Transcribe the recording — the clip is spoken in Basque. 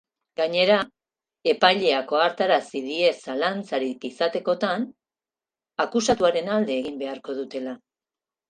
Gainera, epaileak ohartarazi die zalantzarik izatekotan, akusatuaren alde egin beharko dutela.